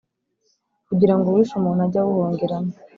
kugira ngo uwishe umuntu ajye awuhungiramo